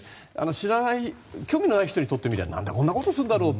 知らない興味のない人にとってみたらなんでこんなことするんだろうって。